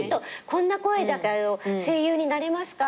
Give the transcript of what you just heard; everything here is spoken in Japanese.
こんな声だけど声優になれますか？